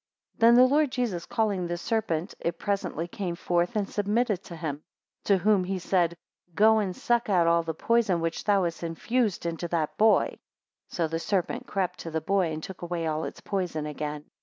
14 Then the Lord Jesus calling the serpent, it presently came forth and submitted to him; to whom he said, Go and suck out all the poison which thou hast infused into that boy: 15 So the serpent crept to the boy, and took away all its poison again.